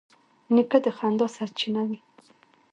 نیکه د خندا سرچینه وي.